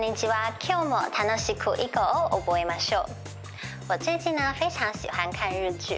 今日も楽しく囲碁を覚えましょう。